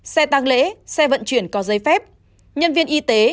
xe tăng lễ xe vận chuyển có giấy phép nhân viên y tế